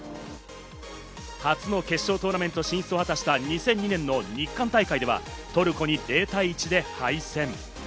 初の決勝トーナメント進出を果たした２００２年の日韓大会ではトルコに０対１で敗戦。